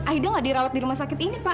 aida gak dirawat di rumah sakit ini pak